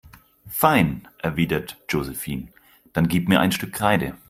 Fein, erwidert Josephine, dann gib mir ein Stück Kreide.